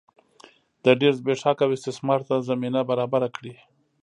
د ډېر زبېښاک او استثمار ته زمینه برابره کړي.